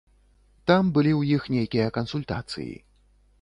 Там былі ў іх нейкія кансультацыі.